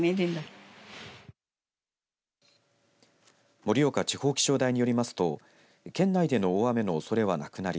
盛岡地方気象台によりますと県内での大雨のおそれはなくなり